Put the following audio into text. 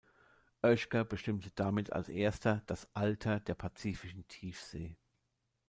Oeschger bestimmte damit als Erster das „Alter“ der pazifischen Tiefsee.